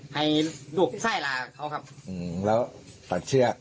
ให้ลูกชายละเขาครับอื้มแล้วตัดเครือ